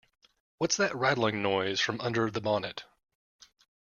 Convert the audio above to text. What's that rattling noise from under the bonnet?